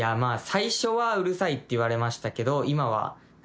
最初はうるさいって言われましたけど。